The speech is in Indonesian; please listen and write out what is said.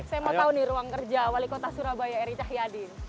saya mau tahu nih ruang kerja wali kota surabaya eri cahyadin